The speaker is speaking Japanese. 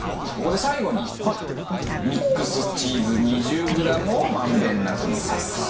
ここで最後にミックスチーズ２０グラムを満遍なくのせます。